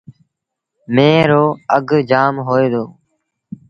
ميݩهن رو اگھ جآم هوئي دو۔